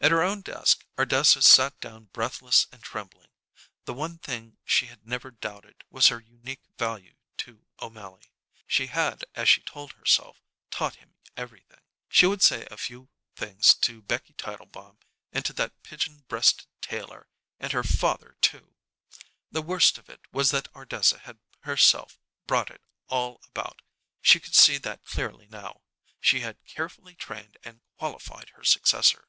At her own desk Ardessa sat down breathless and trembling. The one thing she had never doubted was her unique value to O'Mally. She had, as she told herself, taught him everything. She would say a few things to Becky Tietelbaum, and to that pigeon breasted tailor, her father, too! The worst of it was that Ardessa had herself brought it all about; she could see that clearly now. She had carefully trained and qualified her successor.